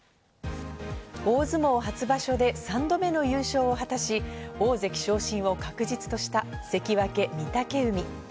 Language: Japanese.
大相撲初場所で３度目の優勝を果たし、大関昇進を確実とした関脇・御嶽海。